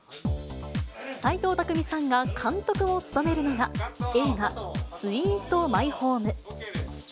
齊藤工さんが監督を務めるのが、映画、スイート・マイホーム。